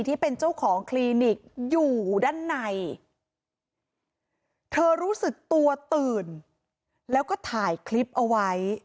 เธอรู้สึกตัวตื่นแล้วก็ถ่ายคลิปเอาไว้